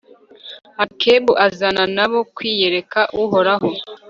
ekibi azana na bo kwiyereka uhoraho